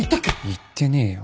言ってねえよ。